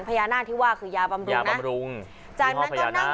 พญานาคที่ว่าคือยาบำรุงนะยาบำรุงยี่ห้อพญานาคจากนั้นก็นั่งนั่ง